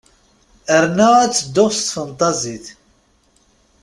Yerna ad ttedduɣ s tfenṭazit.